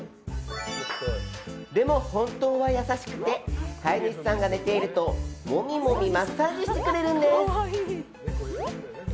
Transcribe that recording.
でも、本当は優しくて飼い主さんが寝ているとモミモミマッサージしてくれるんです。